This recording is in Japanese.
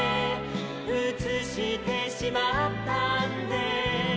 「うつしてしまったんですル・ル」